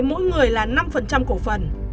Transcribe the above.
mỗi người là năm cổ phần